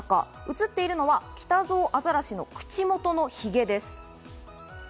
映っているのはキタゾウアザラシの口元のヒゲです。